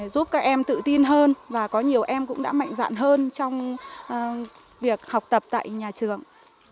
giúp các em tự tin hơn và có nhiều em cũng đã mạnh dạn hơn trong việc học tập tại nhà trường